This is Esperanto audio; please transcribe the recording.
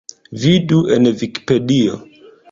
Vidu en Vikipedio.